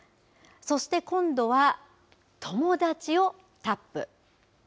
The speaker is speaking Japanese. そして今度は、友だちをタップ。